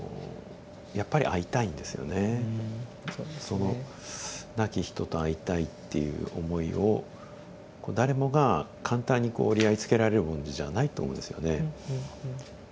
その亡き人と会いたいっていう思いを誰もが簡単にこう折り合いつけられるものじゃないと思うんですよね。